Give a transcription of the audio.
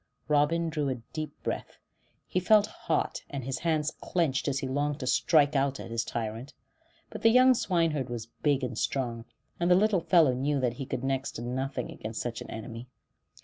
Robin drew a deep breath; he felt hot, and his hands clenched as he longed to strike out at his tyrant. But the young swineherd was big and strong, and the little fellow knew that he could do next to nothing against such an enemy.